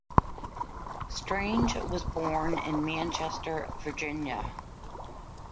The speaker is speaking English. Strange was born in Manchester, Virginia.